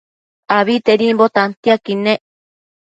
Abitedimbo tantiaquid nec